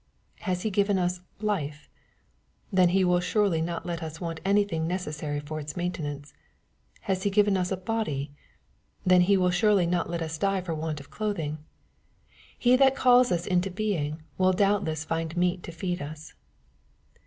Has He given us " life ?" Then He will suerly not let us want anything necessary for its maintenance. Has He given us a " body ?" Then He will surely not let us die for want of clothing. He that calls us into being, will doubtless find meat to feed us.